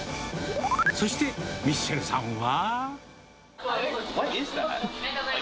そして、ミッシェルさんは。